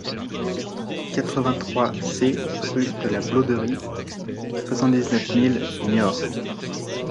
quatre-vingt-trois C rue de la Blauderie, soixante-dix-neuf mille Niort